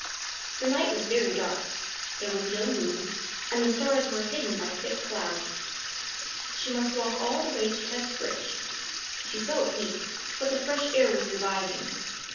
The night was very dark. There was no moon, and the stars were hidden by thick clouds. She must walk all the way to Testbridge. She felt weak, but the fresh air was reviving.